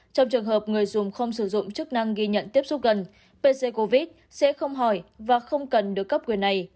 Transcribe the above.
trong trường hợp người dùng không sử dụng chức năng ghi nhận tiếp xúc gần pc covid sẽ không hỏi và không cần được cấp quyền này